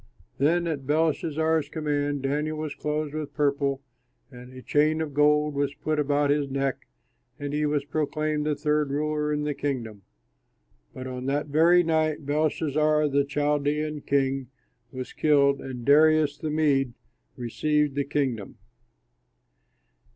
Then at Belshazzar's command Daniel was clothed with purple and a chain of gold was put about his neck, and he was proclaimed the third ruler in the kingdom. But on that very night Belshazzar, the Chaldean king, was killed, and Darius, the Mede, received the kingdom.